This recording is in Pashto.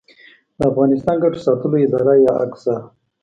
د افغانستان ګټو ساتلو اداره یا اګسا